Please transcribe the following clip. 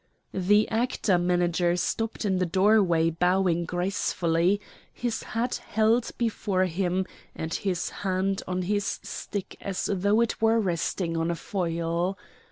The actor manager stopped in the doorway bowing gracefully, his hat held before him and his hand on his stick as though it were resting on a foil.